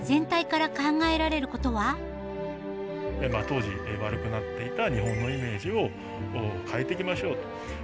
当時悪くなっていた日本のイメージを変えていきましょうと。